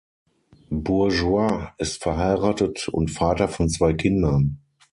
Bourgeois ist verheiratet und Vater von zwei Kindern.